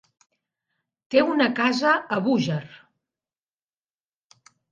Té una casa a Búger.